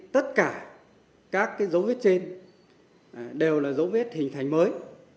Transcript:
tất cả các cái dấu viết trên đều là dấu viết hình thành mới